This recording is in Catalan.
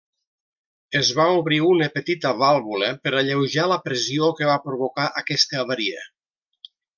Es va obrir una petita vàlvula per alleujar la pressió que va provocar aquesta avaria.